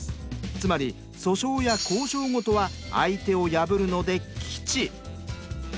つまり訴訟や交渉ごとは相手を破るので「吉」。